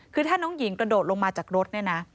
คือถ้าน้องหญิงกระโดดลงมาจากรถเนี่ยนะ